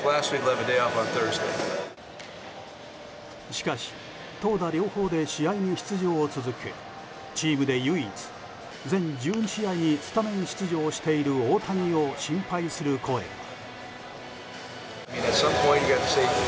しかし投打両方で試合に出場を続けチームで唯一、全１２試合にスタメン出場している大谷を心配する声が。